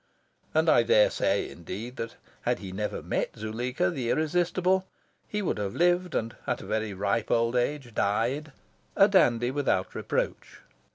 And I daresay, indeed, that had he never met Zuleika, the irresistible, he would have lived, and at a very ripe old age died, a dandy without reproach.